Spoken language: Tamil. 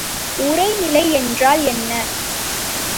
உறைநிலை என்றால் என்ன?